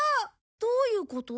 どういうこと？